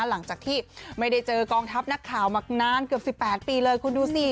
หลังจากที่ไม่ได้เจอกองทัพนักข่าวมานานเกือบ๑๘ปีเลยคุณดูสิ